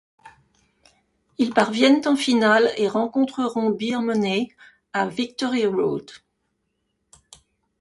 Ils parviennent en finale et rencontreront Beer Money à Victory Road.